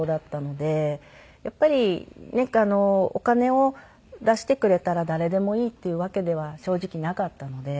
やっぱりねえお金を出してくれたら誰でもいいっていうわけでは正直なかったので。